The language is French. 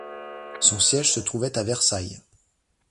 Son siège se trouvait à Versailles.